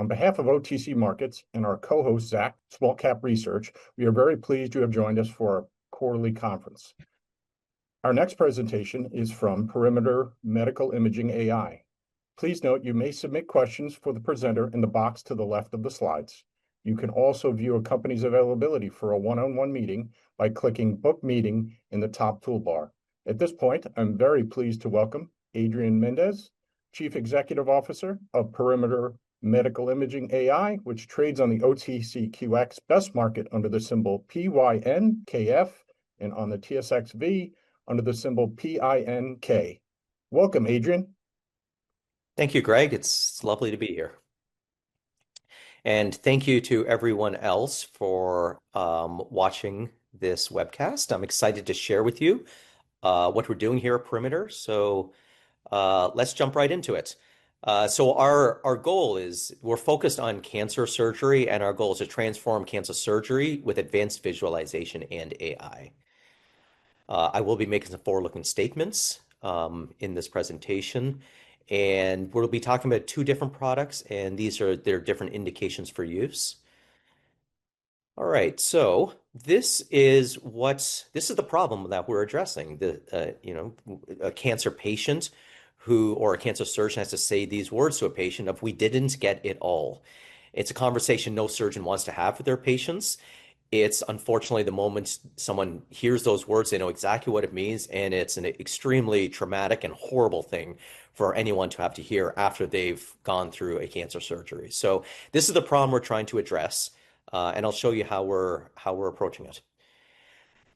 On behalf of OTC Markets and our co-host, Zach, Small Cap Research, we are very pleased you have joined us for our quarterly conference. Our next presentation is from Perimeter Medical Imaging AI. Please note you may submit questions for the presenter in the box to the left of the slides. You can also view a company's availability for a one-on-one meeting by clicking "Book Meeting" in the top toolbar. At this point, I'm very pleased to welcome Adrian Mendes, Chief Executive Officer of Perimeter Medical Imaging AI, which trades on the OTCQX Best Market under the symbol PYNKF and on the TSX Venture Exchange under the symbol PINK. Welcome, Adrian. Thank you, Greg. It's lovely to be here. Thank you to everyone else for watching this webcast. I'm excited to share with you what we're doing here at Perimeter. Let's jump right into it. Our goal is we're focused on cancer surgery, and our goal is to transform cancer surgery with advanced visualization and AI. I will be making some forward-looking statements in this presentation, and we'll be talking about two different products, and these are their different indications for use. This is the problem that we're addressing. A cancer patient or a cancer surgeon has to say these words to a patient of, "We didn't get it all." It's a conversation no surgeon wants to have with their patients. It's unfortunately the moment someone hears those words, they know exactly what it means, and it's an extremely traumatic and horrible thing for anyone to have to hear after they've gone through a cancer surgery. This is the problem we're trying to address, and I'll show you how we're approaching it.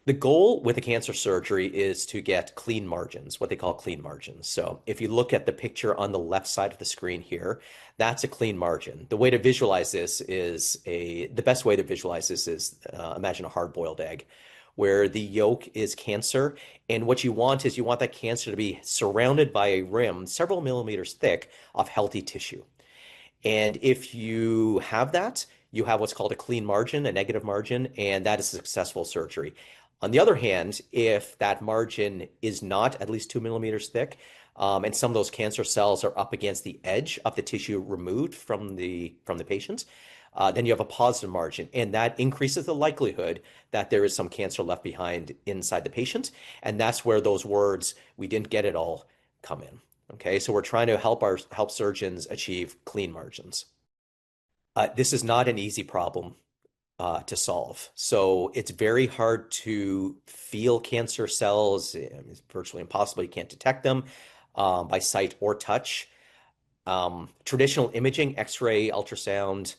The goal with a cancer surgery is to get clean margins, what they call clean margins. If you look at the picture on the left side of the screen here, that's a clean margin. The way to visualize this is the best way to visualize this is imagine a hard-boiled egg where the yolk is cancer, and what you want is you want that cancer to be surrounded by a rim several millimeters thick of healthy tissue. If you have that, you have what's called a clean margin, a negative margin, and that is a successful surgery. On the other hand, if that margin is not at least 2 millimeters thick and some of those cancer cells are up against the edge of the tissue removed from the patient, you have a positive margin, and that increases the likelihood that there is some cancer left behind inside the patient. That is where those words, "We didn't get it all," come in. Okay, we are trying to help our surgeons achieve clean margins. This is not an easy problem to solve. It is very hard to feel cancer cells. It is virtually impossible. You cannot detect them by sight or touch. Traditional imaging, X-ray, ultrasound,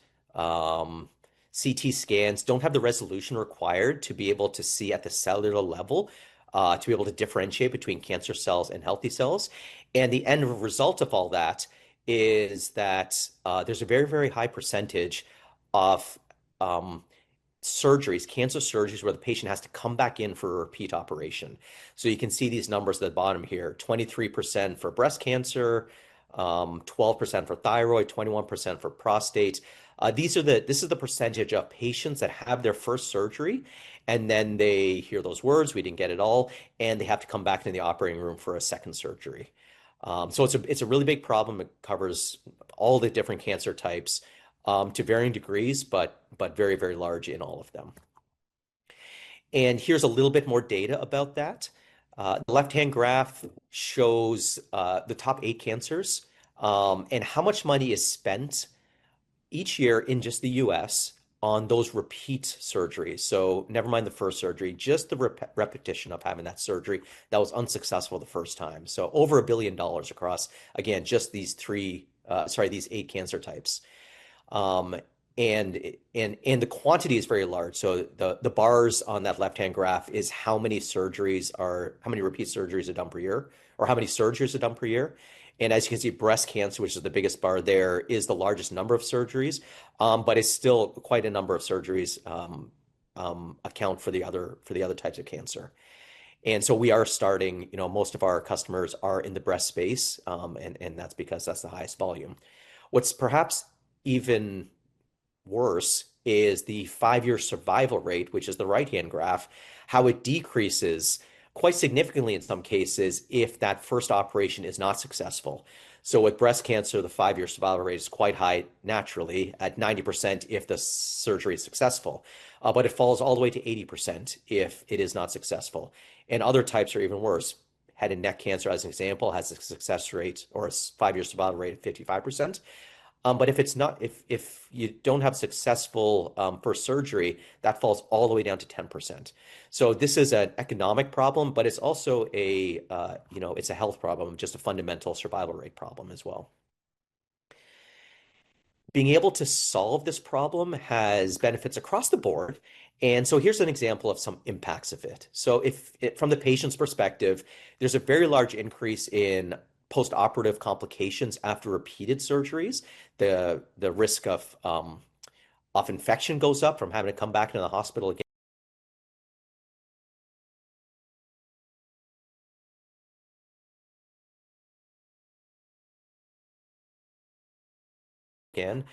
CT scans do not have the resolution required to be able to see at the cellular level, to be able to differentiate between cancer cells and healthy cells. The end result of all that is that there is a very, very high percentage of surgeries, cancer surgeries, where the patient has to come back in for a repeat operation. You can see these numbers at the bottom here: 23% for breast cancer, 12% for thyroid, 21% for prostate. This is the percentage of patients that have their first surgery, and then they hear those words, "We did not get it all," and they have to come back into the operating room for a second surgery. It is a really big problem. It covers all the different cancer types to varying degrees, but very, very large in all of them. Here's a little bit more data about that. The left-hand graph shows the top eight cancers and how much money is spent each year in just the U.S. on those repeat surgeries. Never mind the first surgery, just the repetition of having that surgery that was unsuccessful the first time. Over $1 billion across, again, just these eight cancer types. The quantity is very large. The bars on that left-hand graph is how many repeat surgeries are done per year, or how many surgeries are done per year. As you can see, breast cancer, which is the biggest bar there, is the largest number of surgeries, but still quite a number of surgeries account for the other types of cancer. We are starting, most of our customers are in the breast space, and that's because that's the highest volume. What's perhaps even worse is the five-year survival rate, which is the right-hand graph, how it decreases quite significantly in some cases if that first operation is not successful. With breast cancer, the five-year survival rate is quite high, naturally, at 90% if the surgery is successful, but it falls all the way to 80% if it is not successful. Other types are even worse. Head and neck cancer, as an example, has a success rate or a five-year survival rate of 55%. If you don't have success for surgery, that falls all the way down to 10%. This is an economic problem, but it's also a health problem, just a fundamental survival rate problem as well. Being able to solve this problem has benefits across the board. Here's an example of some impacts of it. From the patient's perspective, there's a very large increase in post-operative complications after repeated surgeries. The risk of infection goes up from having to come back into the hospital again.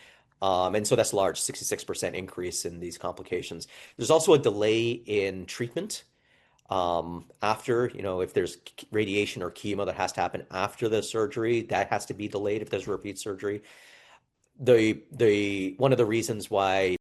That's a large 66% increase in these complications. There's also a delay in treatment. If there's radiation or chemo that has to happen after the surgery, that has to be delayed if there's repeat surgery. One of the reasons why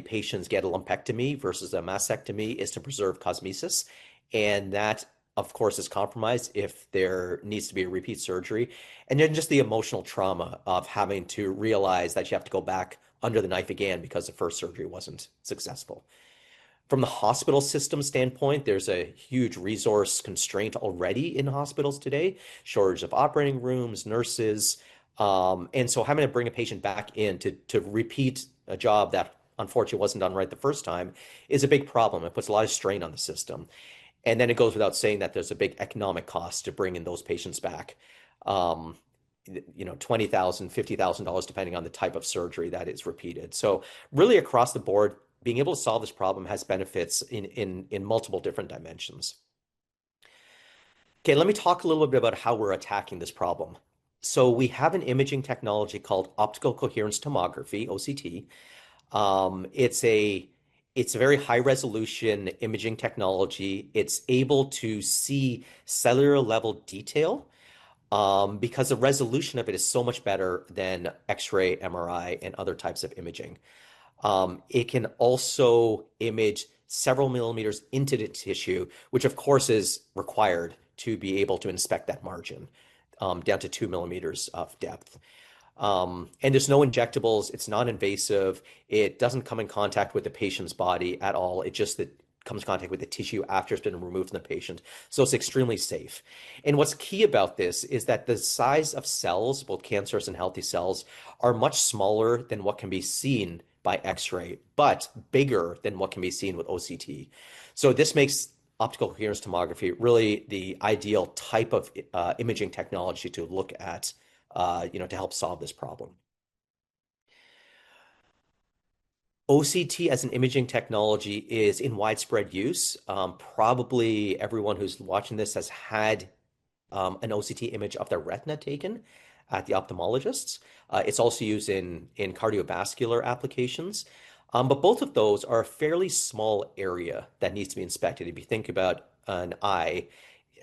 patients get a lumpectomy versus a mastectomy is to preserve cosmesis. That, of course, is compromised if there needs to be a repeat surgery. Then just the emotional trauma of having to realize that you have to go back under the knife again because the first surgery wasn't successful. From the hospital system standpoint, there's a huge resource constraint already in hospitals today: shortage of operating rooms, nurses. Having to bring a patient back in to repeat a job that unfortunately wasn't done right the first time is a big problem. It puts a lot of strain on the system. It goes without saying that there's a big economic cost to bringing those patients back, $20,000-$50,000, depending on the type of surgery that is repeated. Really, across the board, being able to solve this problem has benefits in multiple different dimensions. Okay, let me talk a little bit about how we're attacking this problem. We have an imaging technology called optical coherence tomography, OCT. It's a very high-resolution imaging technology. It's able to see cellular-level detail because the resolution of it is so much better than X-ray, MRI, and other types of imaging. It can also image several millimeters into the tissue, which, of course, is required to be able to inspect that margin down to 2 millimeters of depth. There are no injectables. It's non-invasive. It doesn't come in contact with the patient's body at all. It just comes in contact with the tissue after it's been removed from the patient. It's extremely safe. What's key about this is that the size of cells, both cancers and healthy cells, are much smaller than what can be seen by X-ray, but bigger than what can be seen with OCT. This makes optical coherence tomography really the ideal type of imaging technology to look at to help solve this problem. OCT as an imaging technology is in widespread use. Probably everyone who's watching this has had an OCT image of their retina taken at the ophthalmologist. It's also used in cardiovascular applications. Both of those are a fairly small area that needs to be inspected. If you think about an eye,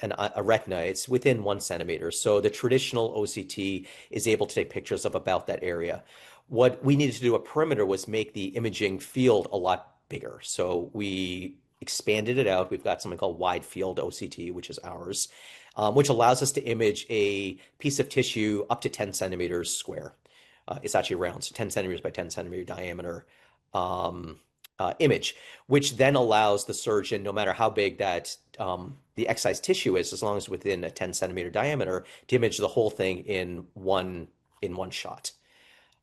a retina, it's within 1 centimeter. The traditional OCT is able to take pictures of about that area. What we needed to do at Perimeter was make the imaging field a lot bigger. We expanded it out. We've got something called wide-field OCT, which is ours, which allows us to image a piece of tissue up to 10 cm square. It's actually round, so 10 cm by 10 cm diameter image, which then allows the surgeon, no matter how big the excised tissue is, as long as it's within a 10-centimeter diameter, to image the whole thing in one shot.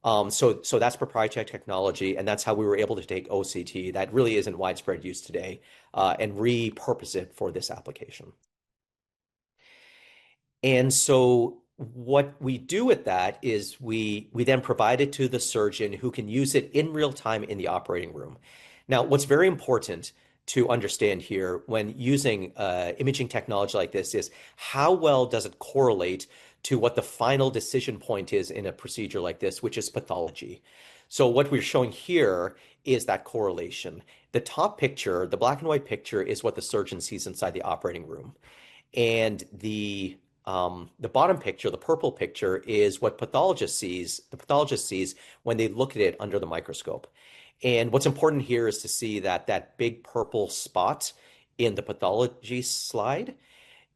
That is proprietary technology, and that is how we were able to take OCT that really is in widespread use today and repurpose it for this application. What we do with that is we then provide it to the surgeon who can use it in real time in the operating room. Now, what's very important to understand here when using imaging technology like this is how well does it correlate to what the final decision point is in a procedure like this, which is pathology. What we're showing here is that correlation. The top picture, the black and white picture, is what the surgeon sees inside the operating room. The bottom picture, the purple picture, is what the pathologist sees when they look at it under the microscope. What's important here is to see that that big purple spot in the pathology slide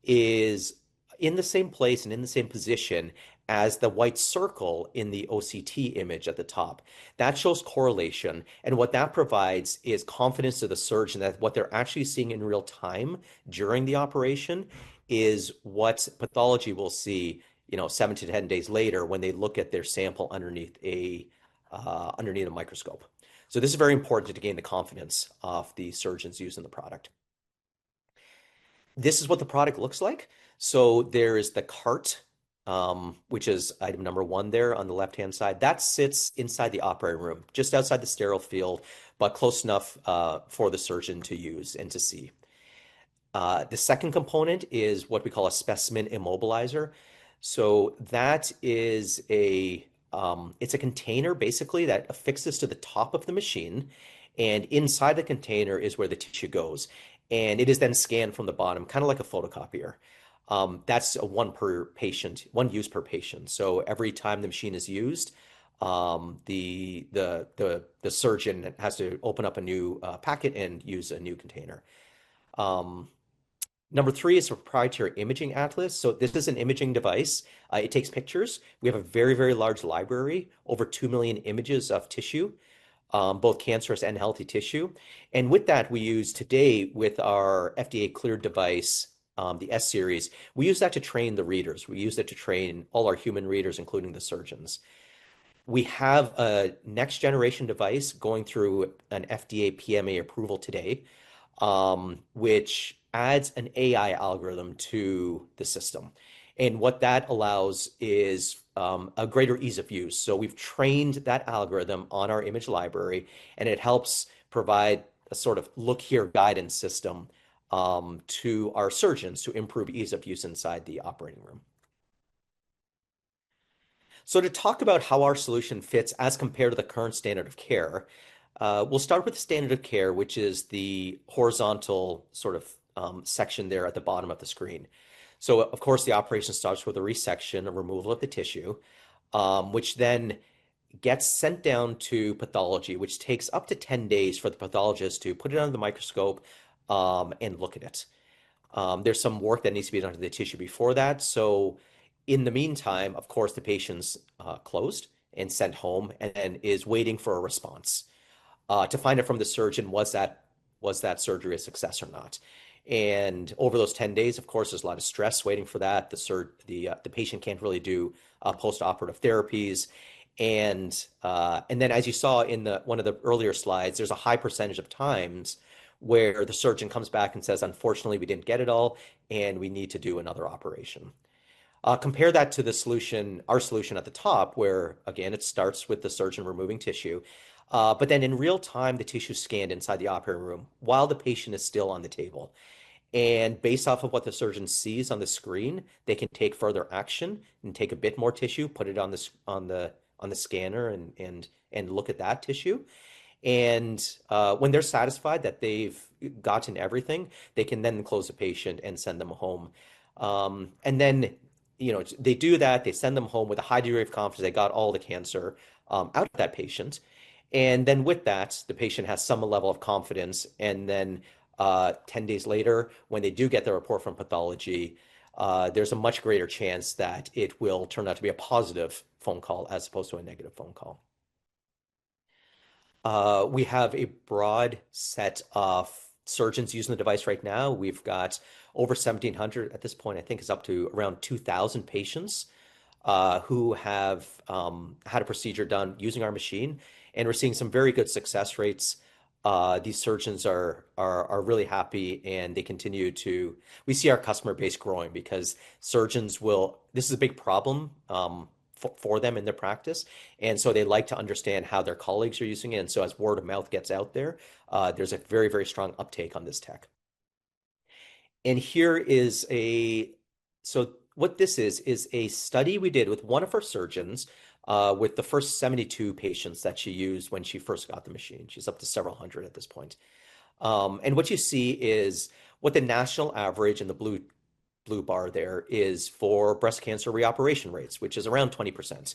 is in the same place and in the same position as the white circle in the OCT image at the top. That shows correlation. What that provides is confidence to the surgeon that what they're actually seeing in real time during the operation is what pathology will see 7 to 10 days later when they look at their sample underneath a microscope. This is very important to gain the confidence of the surgeons using the product. This is what the product looks like. There is the cart, which is item number one there on the left-hand side. That sits inside the operating room, just outside the sterile field, but close enough for the surgeon to use and to see. The second component is what we call a specimen immobilizer. That is a container, basically, that affixes to the top of the machine. Inside the container is where the tissue goes. It is then scanned from the bottom, kind of like a photocopier. That is one per patient, one use per patient. Every time the machine is used, the surgeon has to open up a new packet and use a new container. Number three is proprietary imaging atlas. This is an imaging device. It takes pictures. We have a very, very large library, over 2 million images of tissue, both cancerous and healthy tissue. With that, we use today with our FDA-cleared device, the S-Series, we use that to train the readers. We use it to train all our human readers, including the surgeons. We have a next-generation device going through an FDA PMA approval today, which adds an AI algorithm to the system. What that allows is a greater ease of use. We have trained that algorithm on our image library, and it helps provide a sort of look-here guidance system to our surgeons to improve ease of use inside the operating room. To talk about how our solution fits as compared to the current standard of care, we will start with the standard of care, which is the horizontal sort of section there at the bottom of the screen. Of course, the operation starts with a resection, a removal of the tissue, which then gets sent down to pathology, which takes up to 10 days for the pathologist to put it under the microscope and look at it. There is some work that needs to be done to the tissue before that. In the meantime, of course, the patient is closed and sent home and is waiting for a response to find out from the surgeon if that surgery was a success or not. Over those 10 days, of course, there is a lot of stress waiting for that. The patient cannot really do post-operative therapies. As you saw in one of the earlier slides, there's a high percentage of times where the surgeon comes back and says, "Unfortunately, we didn't get it all, and we need to do another operation." Compare that to our solution at the top, where, again, it starts with the surgeon removing tissue, but then in real time, the tissue's scanned inside the operating room while the patient is still on the table. Based off of what the surgeon sees on the screen, they can take further action and take a bit more tissue, put it on the scanner, and look at that tissue. When they're satisfied that they've gotten everything, they can then close the patient and send them home. They do that. They send them home with a high degree of confidence. They got all the cancer out of that patient. With that, the patient has some level of confidence. Ten days later, when they do get the report from pathology, there is a much greater chance that it will turn out to be a positive phone call as opposed to a negative phone call. We have a broad set of surgeons using the device right now. We have over 1,700 at this point. I think it is up to around 2,000 patients who have had a procedure done using our machine. We are seeing some very good success rates. These surgeons are really happy, and they continue to—we see our customer base growing because surgeons will—this is a big problem for them in their practice. They like to understand how their colleagues are using it. As word of mouth gets out there, there is a very, very strong uptake on this tech. Here is a—so what this is, is a study we did with one of our surgeons with the first 72 patients that she used when she first got the machine. She's up to several hundred at this point. What you see is what the national average in the blue bar there is for breast cancer reoperation rates, which is around 20%.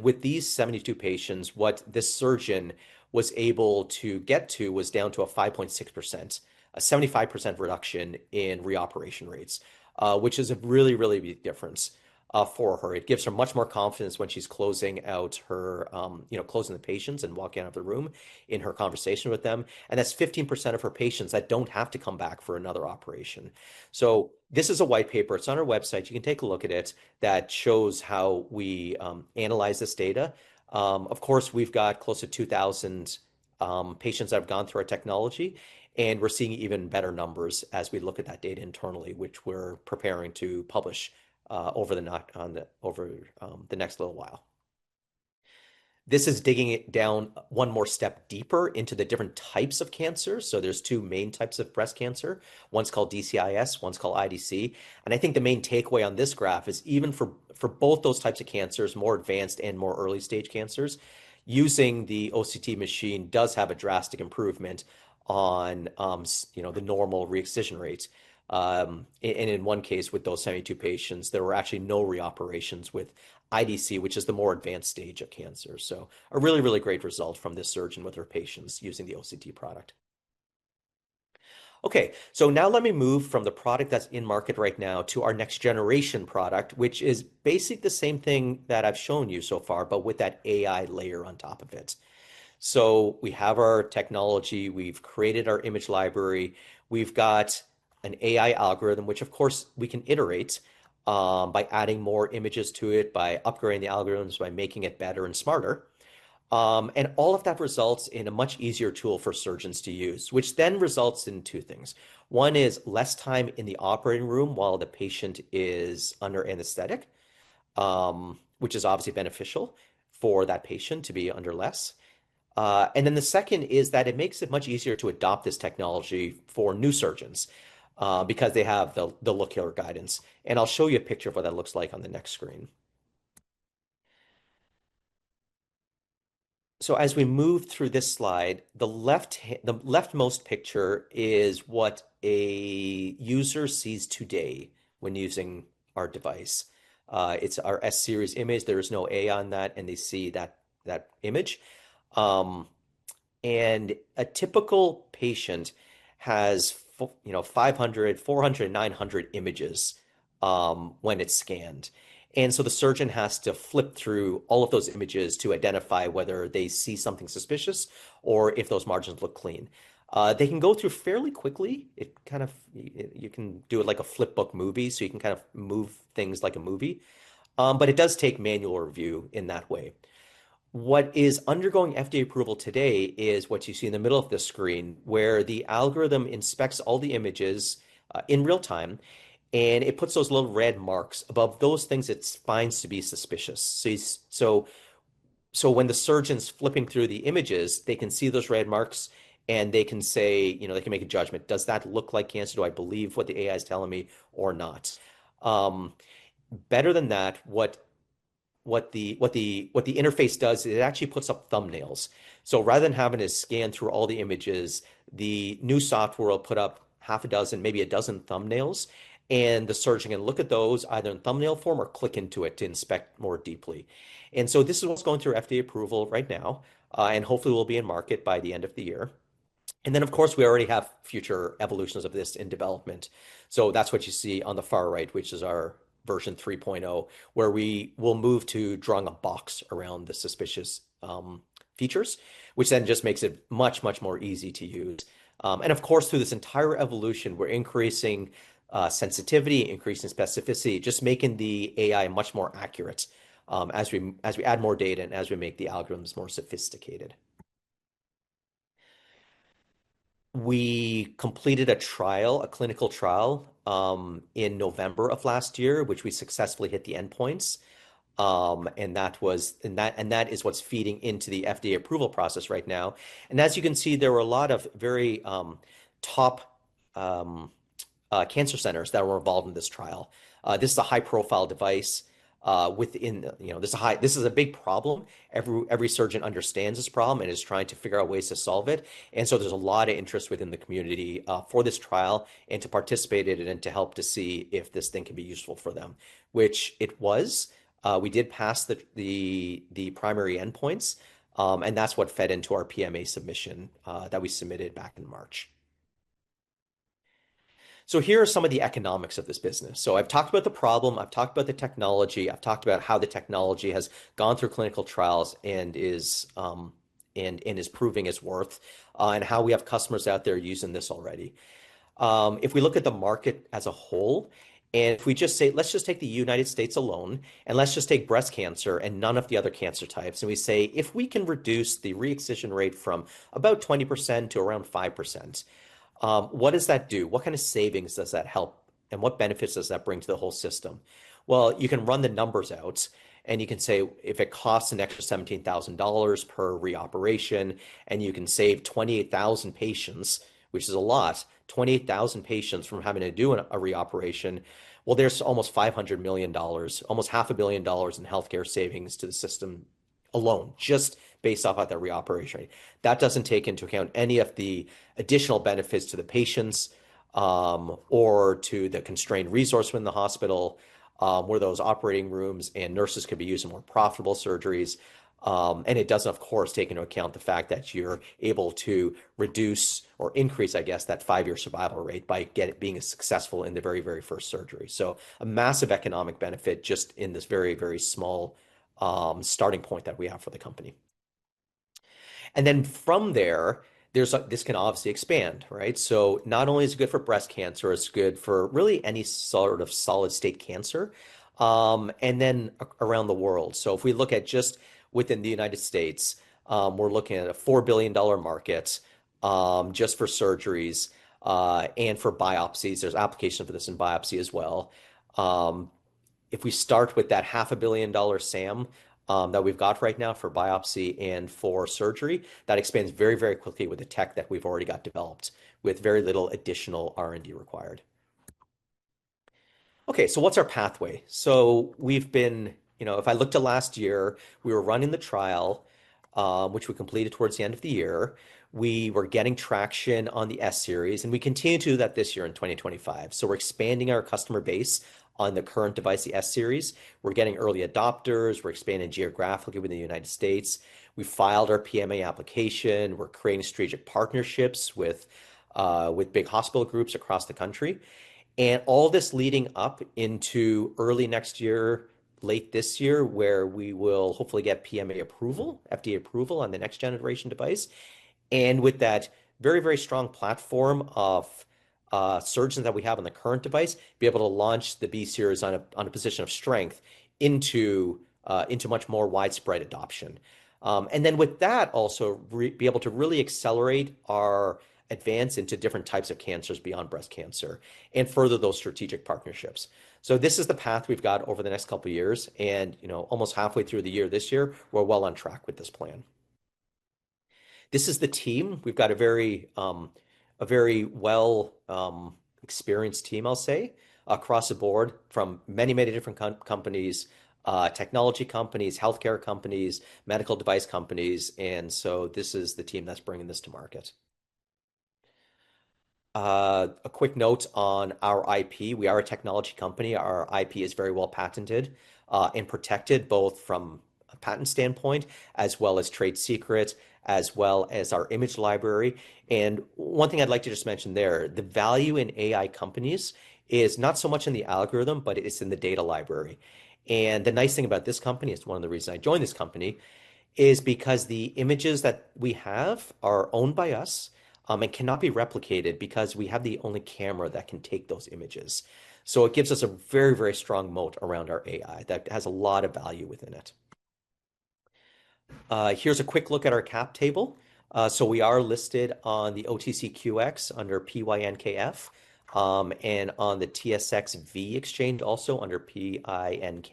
With these 72 patients, what this surgeon was able to get to was down to a 5.6%, a 75% reduction in reoperation rates, which is a really, really big difference for her. It gives her much more confidence when she's closing out her, closing the patients and walking out of the room in her conversation with them. That's 15% of her patients that don't have to come back for another operation. This is a white paper. It's on our website. You can take a look at it that shows how we analyze this data. Of course, we've got close to 2,000 patients that have gone through our technology. We're seeing even better numbers as we look at that data internally, which we're preparing to publish over the next little while. This is digging it down one more step deeper into the different types of cancers. There are two main types of breast cancer. One's called DCIS. One's called IDC. I think the main takeaway on this graph is even for both those types of cancers, more advanced and more early-stage cancers, using the OCT machine does have a drastic improvement on the normal re-excision rates. In one case with those 72 patients, there were actually no reoperations with IDC, which is the more advanced stage of cancer. A really, really great result from this surgeon with her patients using the OCT product. Okay. Now let me move from the product that's in market right now to our next-generation product, which is basically the same thing that I've shown you so far, but with that AI layer on top of it. We have our technology. We've created our image library. We've got an AI algorithm, which, of course, we can iterate by adding more images to it, by upgrading the algorithms, by making it better and smarter. All of that results in a much easier tool for surgeons to use, which then results in two things. One is less time in the operating room while the patient is under anesthetic, which is obviously beneficial for that patient to be under less. The second is that it makes it much easier to adopt this technology for new surgeons because they have the look-here guidance. I'll show you a picture of what that looks like on the next screen. As we move through this slide, the leftmost picture is what a user sees today when using our device. It's our S-Series image. There is no A on that, and they see that image. A typical patient has 500, 400, 900 images when it's scanned. The surgeon has to flip through all of those images to identify whether they see something suspicious or if those margins look clean. They can go through fairly quickly. You can do it like a flipbook movie, so you can kind of move things like a movie. It does take manual review in that way. What is undergoing FDA approval today is what you see in the middle of the screen, where the algorithm inspects all the images in real time, and it puts those little red marks above those things it finds to be suspicious. When the surgeon's flipping through the images, they can see those red marks, and they can say, they can make a judgment. Does that look like cancer? Do I believe what the AI is telling me or not? Better than that, what the interface does is it actually puts up thumbnails. Rather than having to scan through all the images, the new software will put up half a dozen, maybe a dozen thumbnails. The surgeon can look at those either in thumbnail form or click into it to inspect more deeply. This is what's going through FDA approval right now, and hopefully, we'll be in market by the end of the year. Of course, we already have future evolutions of this in development. That's what you see on the far right, which is our version 3.0, where we will move to drawing a box around the suspicious features, which then just makes it much, much more easy to use. Of course, through this entire evolution, we're increasing sensitivity, increasing specificity, just making the AI much more accurate as we add more data and as we make the algorithms more sophisticated. We completed a trial, a clinical trial in November of last year, which we successfully hit the endpoints. That is what's feeding into the FDA approval process right now. As you can see, there were a lot of very top cancer centers that were involved in this trial. This is a high-profile device within this is a big problem. Every surgeon understands this problem and is trying to figure out ways to solve it. There is a lot of interest within the community for this trial and to participate in it and to help to see if this thing can be useful for them, which it was. We did pass the primary endpoints, and that is what fed into our PMA submission that we submitted back in March. Here are some of the economics of this business. I have talked about the problem. I have talked about the technology. I have talked about how the technology has gone through clinical trials and is proving its worth and how we have customers out there using this already. If we look at the market as a whole, and if we just say, "Let's just take the United States alone, and let's just take breast cancer and none of the other cancer types," and we say, "If we can reduce the re-excision rate from about 20% to around 5%, what does that do? What kind of savings does that help? What benefits does that bring to the whole system? You can run the numbers out, and you can say, "If it costs an extra $17,000 per reoperation and you can save 28,000 patients, which is a lot, 28,000 patients from having to do a reoperation, there's almost $500 million, almost half a billion dollars in healthcare savings to the system alone just based off of that reoperation." That does not take into account any of the additional benefits to the patients or to the constrained resource within the hospital where those operating rooms and nurses could be using more profitable surgeries. It does not, of course, take into account the fact that you're able to reduce or increase, I guess, that five-year survival rate by it being successful in the very, very first surgery. A massive economic benefit just in this very, very small starting point that we have for the company. Then from there, this can obviously expand, right? Not only is it good for breast cancer, it's good for really any sort of solid-state cancer and then around the world. If we look at just within the United States, we're looking at a $4 billion market just for surgeries and for biopsies. There's application for this in biopsy as well. If we start with that $0.5 billion SAM that we've got right now for biopsy and for surgery, that expands very, very quickly with the tech that we've already got developed with very little additional R&D required. Okay. What's our pathway? If I looked at last year, we were running the trial, which we completed towards the end of the year. We were getting traction on the S-Series, and we continue to do that this year in 2025. We are expanding our customer base on the current device, the S-Series. We are getting early adopters. We are expanding geographically within the United States. We filed our PMA application. We are creating strategic partnerships with big hospital groups across the country. All this is leading up into early next year, late this year, where we will hopefully get PMA approval, FDA approval on the next-generation device. With that very, very strong platform of surgeons that we have on the current device, we will be able to launch the B-Series on a position of strength into much more widespread adoption. With that, we will also be able to really accelerate our advance into different types of cancers beyond breast cancer and further those strategic partnerships. This is the path we've got over the next couple of years. Almost halfway through the year this year, we're well on track with this plan. This is the team. We've got a very well-experienced team, I'll say, across the board from many, many different companies, technology companies, healthcare companies, medical device companies. This is the team that's bringing this to market. A quick note on our IP. We are a technology company. Our IP is very well patented and protected both from a patent standpoint as well as trade secrets, as well as our image library. One thing I'd like to just mention there, the value in AI companies is not so much in the algorithm, but it's in the data library. The nice thing about this company is one of the reasons I joined this company is because the images that we have are owned by us and cannot be replicated because we have the only camera that can take those images. It gives us a very, very strong moat around our AI that has a lot of value within it. Here is a quick look at our cap table. We are listed on the OTCQX under PYNKF and on the TSXV Exchange also under PINK.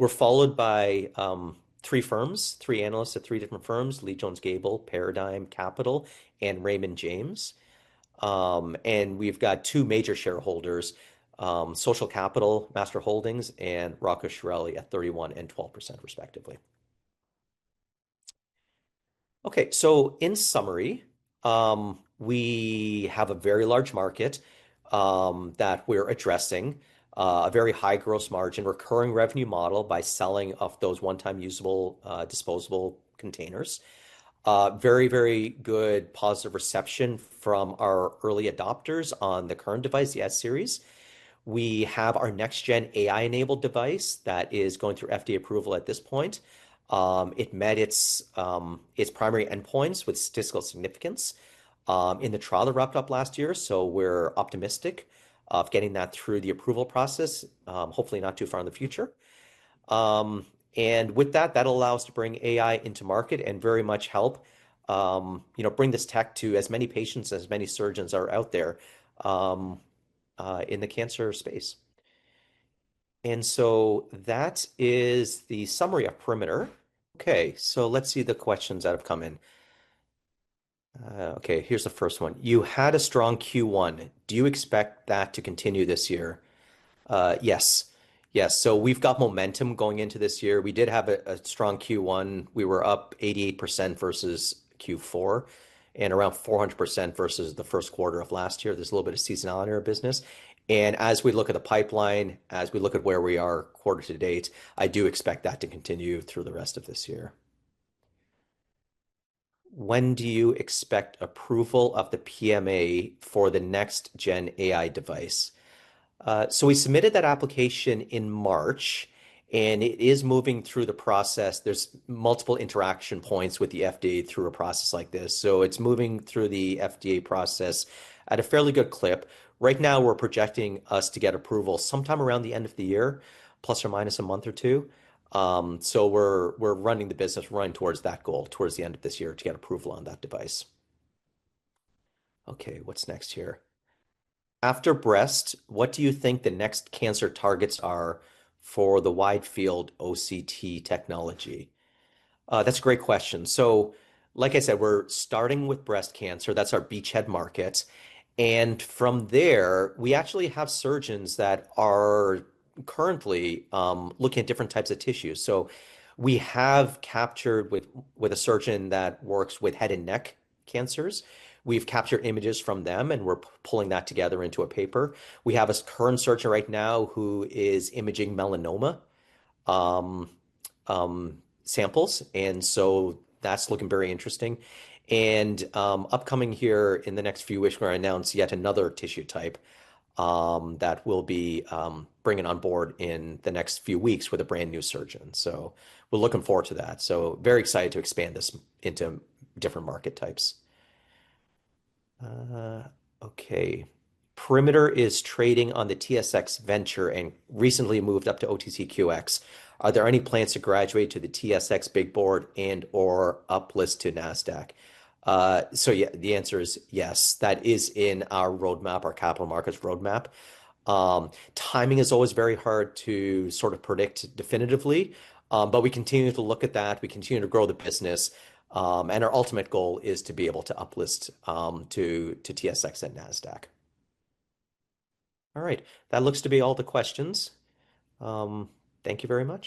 We are followed by three firms, three analysts at three different firms: Leede Jones Gable, Paradigm Capital, and Raymond James. We have two major shareholders, Social Capital, Master Holdings, and Rocco Schirelli at 31% and 12%, respectively. Okay. In summary, we have a very large market that we're addressing, a very high gross margin, recurring revenue model by selling those one-time usable disposable containers. Very, very good positive reception from our early adopters on the current device, the S-Series. We have our next-gen AI-enabled device that is going through FDA approval at this point. It met its primary endpoints with statistical significance in the trial that wrapped up last year. We're optimistic of getting that through the approval process, hopefully not too far in the future. With that, that allows us to bring AI into market and very much help bring this tech to as many patients as many surgeons are out there in the cancer space. That is the summary of Perimeter. Okay. Let's see the questions that have come in. Okay. Here's the first one. You had a strong Q1. Do you expect that to continue this year? Yes. Yes. We have momentum going into this year. We did have a strong Q1. We were up 88% versus Q4 and around 400% versus the first quarter of last year. There is a little bit of seasonality in our business. As we look at the pipeline, as we look at where we are quarter to date, I do expect that to continue through the rest of this year. When do you expect approval of the PMA for the next-gen AI device? We submitted that application in March, and it is moving through the process. There are multiple interaction points with the FDA through a process like this. It is moving through the FDA process at a fairly good clip. Right now, we're projecting us to get approval sometime around the end of the year, plus or minus a month or two. We're running the business, running towards that goal towards the end of this year to get approval on that device. Okay. What's next here? After breast, what do you think the next cancer targets are for the wide-field OCT technology? That's a great question. Like I said, we're starting with breast cancer. That's our beachhead market. From there, we actually have surgeons that are currently looking at different types of tissues. We have captured with a surgeon that works with head and neck cancers. We've captured images from them, and we're pulling that together into a paper. We have a current surgeon right now who is imaging melanoma samples. That's looking very interesting. Upcoming here in the next few weeks, we're going to announce yet another tissue type that we'll be bringing on board in the next few weeks with a brand new surgeon. We're looking forward to that. Very excited to expand this into different market types. Okay. Perimeter is trading on the TSX Venture and recently moved up to OTCQX. Are there any plans to graduate to the TSX Big Board and/or uplist to NASDAQ? Yeah, the answer is yes. That is in our roadmap, our capital markets roadmap. Timing is always very hard to sort of predict definitively, but we continue to look at that. We continue to grow the business. Our ultimate goal is to be able to uplist to TSX and NASDAQ. All right. That looks to be all the questions. Thank you very much.